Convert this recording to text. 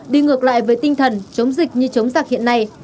đi ngược lại với tinh thần chống dịch như chống giặc hiện nay